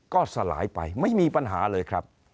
ก็สลายไปไม่มีปัญหาเลยครับ